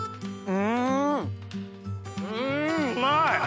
うんうまい！